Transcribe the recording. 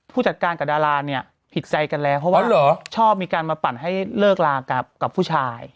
ผู้จัดการกับดาราเนี่ยผิดใจกันแล้วเพราะว่าชอบมีการมาปั่นให้เลิกลากับผู้ชาย